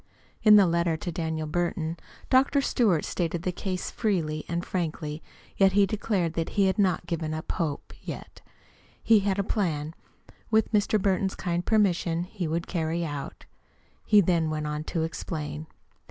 In a letter to Daniel Burton, Dr. Stewart stated the case freely and frankly, yet he declared that he had not given up hope yet. He had a plan which, with Mr. Burton's kind permission, he would carry out. He then went on to explain.